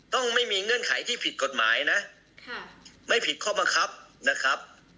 ต้องไม่มีเงื่อนไขที่ผิดกฎหมายนะไม่ผิดข้อบังคับนะครับ